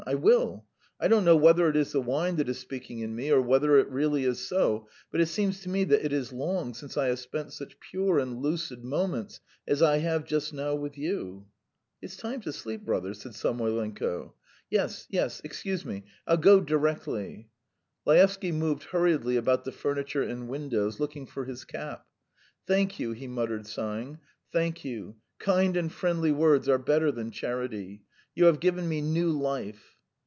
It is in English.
I will! I don't know whether it is the wine that is speaking in me, or whether it really is so, but it seems to me that it is long since I have spent such pure and lucid moments as I have just now with you." "It's time to sleep, brother," said Samoylenko. "Yes, yes. ... Excuse me; I'll go directly." Laevsky moved hurriedly about the furniture and windows, looking for his cap. "Thank you," he muttered, sighing. "Thank you. ... Kind and friendly words are better than charity. You have given me new life."